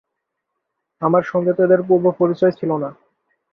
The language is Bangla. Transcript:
আমার সঙ্গে তো এঁদের পূর্বে পরিচয় ছিল না।